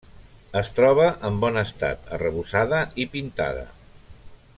Es troba en bon estat, arrebossada i pintada.